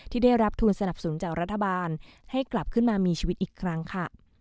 ที่ได้รับทุนสนับสนุนจากรัฐบาลให้กลับขึ้นมามีชีวิตอีกครั้งค่ะ